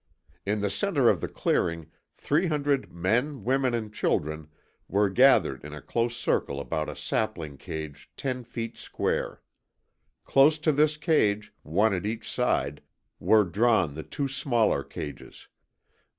In the centre of the clearing three hundred men, women, and children were gathered in a close circle about a sapling cage ten feet square. Close to this cage, one at each side, were drawn the two smaller cages.